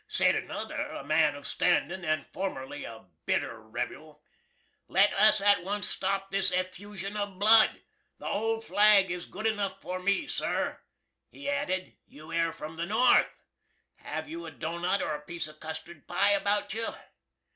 Sed another (a man of standin' and formerly a bitter rebuel), "Let us at once stop this effooshun of Blud! The Old Flag is good enuff for me. Sir," he added, "you air from the North! Have you a doughnut or a piece of custard pie about you?"